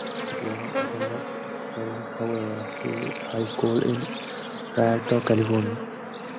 Varon attended Eisenhower High School in Rialto, California.